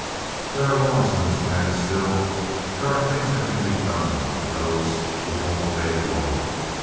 There are laws in this land still. There are things that can be done to those who won't obey the law.